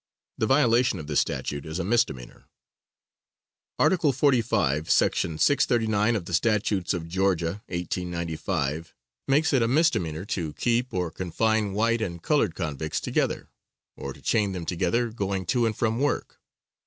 The violation of this statute is a misdemeanor. Article 45, section 639 of the statutes of Georgia, 1895, makes it a misdemeanor to keep or confine white and colored convicts together, or to chain them together going to and from work.